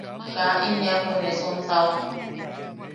Kaa in eapo ne sontao.